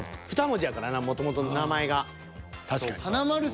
２文字やからなもともとの名前が。